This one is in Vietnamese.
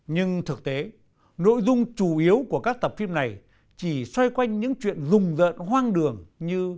nhưng thực tế nội dung chủ yếu của các tập phim này chỉ xoay quanh những chuyện rùng rợn hoang đường như